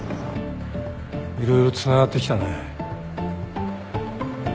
色々つながってきたね。